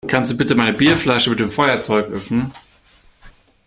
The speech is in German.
Kannst du bitte meine Bierflasche mit dem Feuerzeug öffnen?